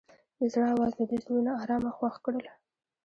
د زړه اواز د دوی زړونه ارامه او خوښ کړل.